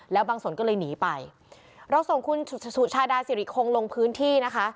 แล้วบางส่วนก็เลยหนีไปเราส่งคุณสุชาดาสิริคงลงพื้นที่นะคะ